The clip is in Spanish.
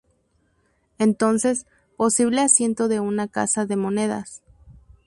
Entonces, posible asiento de una casa de monedas.